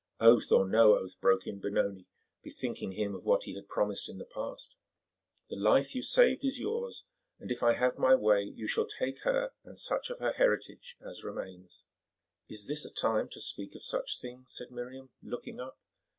"Oath or no oath," broke in Benoni, bethinking him of what he had promised in the past, "the life you saved is yours, and if I have my way you shall take her and such of her heritage as remains." "Is this a time to speak of such things?" said Miriam, looking up.